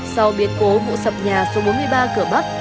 sau biệt cố vụ sập nhà số bốn mươi ba cửa bắc